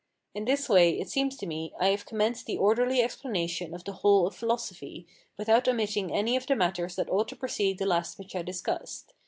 In this way, it seems to me, I have commenced the orderly explanation of the whole of philosophy, without omitting any of the matters that ought to precede the last which I discussed.